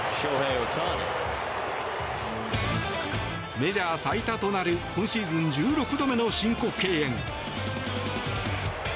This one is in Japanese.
メジャー最多となる今シーズン１６度目の申告敬遠。